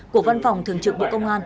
của văn phòng thường trực bộ công an